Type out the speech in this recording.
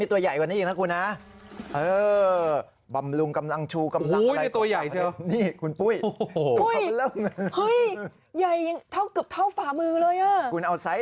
นี่แต่ตามพี่เข้าไป